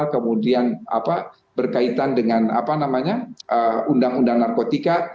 kemudian berkaitan dengan undang undang narkotika